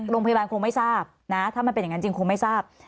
โรงพยาบาลคงไม่ทราบนะถ้ามันเป็นอย่างนั้นจริงคงไม่ทราบ